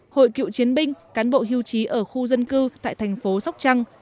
hội cựu chiến binh cán bộ hưu trí ở khu dân cư tại thành phố sóc trăng